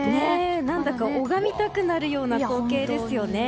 何だか拝みたくなるような光景ですよね。